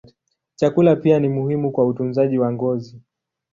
Chakula pia ni muhimu kwa utunzaji wa ngozi.